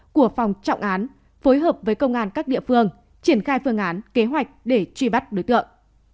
của phòng trọng án phối hợp với công an các địa phương triển khai phương án kế hoạch để truy bắt đối tượng